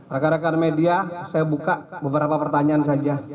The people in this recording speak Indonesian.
rekan rekan media saya buka beberapa pertanyaan saja